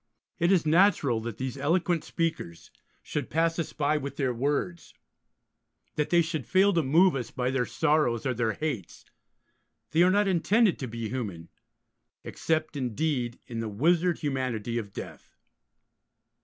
It is natural that these eloquent speakers should pass us by with their words, that they should fail to move us by their sorrows or their hates: they are not intended to be human, except, indeed, in the wizard humanity of Death.